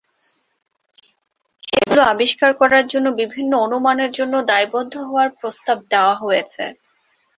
সেগুলি আবিষ্কার করার জন্য বিভিন্ন অনুমানের জন্য দায়বদ্ধ হওয়ার প্রস্তাব দেওয়া হয়েছে।